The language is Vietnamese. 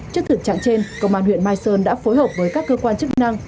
trước thực trạng trên công an huyện mai sơn đã phối hợp với các cơ quan chức năng